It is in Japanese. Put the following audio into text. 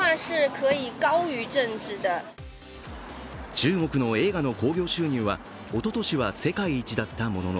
中国の映画の興行収入はおととしは世界一だったものの